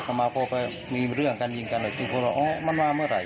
เขามาพวกมีเรื่องการยิงกันเลยจริงพวกเราอ๋อมันมาเมื่อไหร่